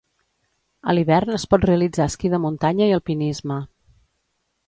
A l'hivern es pot realitzar esquí de muntanya i alpinisme.